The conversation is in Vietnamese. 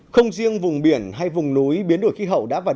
không riêng vùng biển hay vùng núi biến đổi khí hậu đã được phát triển